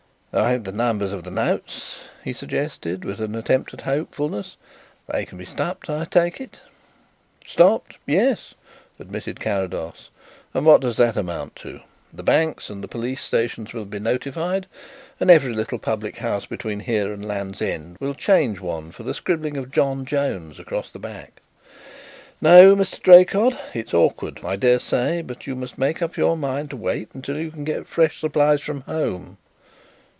"I have the numbers of the notes," he suggested, with an attempt at hopefulness. "They can be stopped, I take it?" "Stopped? Yes," admitted Carrados. "And what does that amount to? The banks and the police stations will be notified and every little public house between here and Land's End will change one for the scribbling of 'John Jones' across the back. No, Mr. Draycott, it's awkward, I dare say, but you must make up your mind to wait until you can get fresh supplies from home.